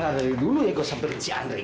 kenapa gak dari dulu ya kau sabarin si andrei